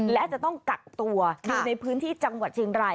และจะต้องกักตัวอยู่ในพื้นที่จังหวัดเชียงราย